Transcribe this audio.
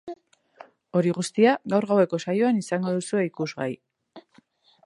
Hori guztia, gaur gaueko saioan izango duzue ikusgai.